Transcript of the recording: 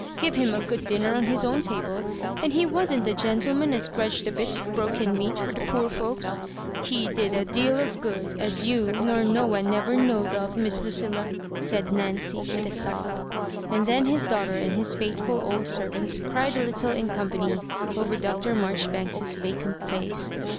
Give him a good dinner on his own table, and he wasn*t the gentle man as grudged a bit of broken meat for the poor folios. He did a deal of good as you nor no one never know'd of, Miss Lucilla," said Nancv, with a sob. And then his daughter and his faithful old ser vant cried a little in company over Dr. Marjori banks's vacant place.